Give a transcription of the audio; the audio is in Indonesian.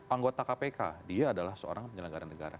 anggota kpk dia adalah seorang penyelenggara negara